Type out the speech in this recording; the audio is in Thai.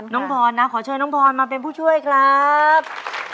น้องพรนะขอเชิญน้องพรมาเป็นผู้ช่วยครับ